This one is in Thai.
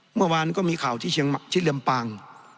เมื่อวานก็มีข่าวที่ลำปาง